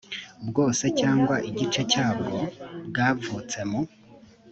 bwose cyangwa igice cyabwo bwavutse mu